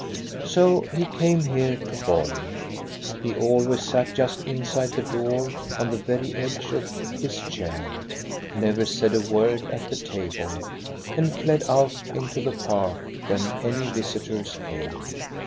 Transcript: " So he came here to Borg. He always sat just inside the door, on the very edge of his chair, never said a word at the table, and fled out into the park when any visitors came.